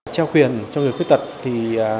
treo quyền cho người khuyết tật thì